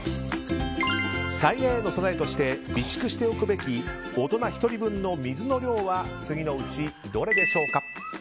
災害への備えとして備蓄しておくべき大人１人分の水の量は次のうちどれでしょう？